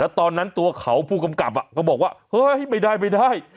ตอนนั้นตัวเขาผู้กำกับก็บอกว่าเฮ้ยไม่ได้ไม่ได้